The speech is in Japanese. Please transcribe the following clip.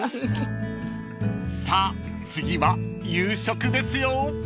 ［さあ次は夕食ですよ］